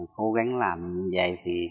cố gắng làm như vậy thì